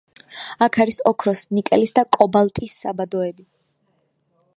აქ არის ოქროს, ნიკელის და კობალტის საბადოები.